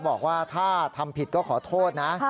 บอกว่าถ้าทำผิดก็ขอโทษนะ